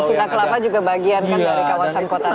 sunda kelapa juga bagian dari kawasan kota tua itu